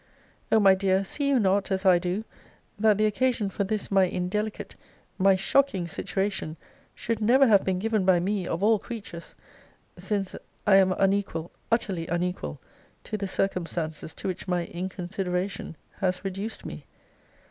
O my dear, see you not, as I do, that the occasion for this my indelicate, my shocking situation should never have been given by me, of all creatures; since I am unequal, utterly unequal, to the circumstances to which my inconsideration has reduced me?